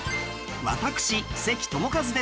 私関智一です